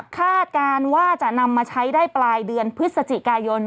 การว่าจะนำมาใช้ได้ปลายเดือนพฤศจิกายน